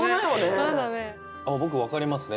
あっ僕分かりますね